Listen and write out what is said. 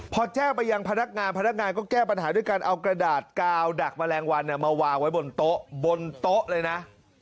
พอแจ้งไปยังพนักงานพนักงานก็แก้ปัญหาด้วยการเอากระดาษกาวดักแมลงวันมาวางไว้บนโต๊ะบนโต๊ะเลยนะ